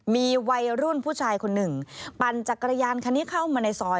มีวัยรุ่นผู้ชายคนหนึ่งปั่นจักรยานคันนี้เข้ามาในซอย